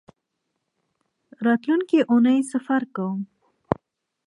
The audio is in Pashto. راتلونکۍ اونۍ سفر کوم